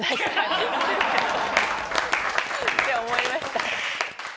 って思いました。